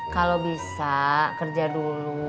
kalo bisa kerja dulu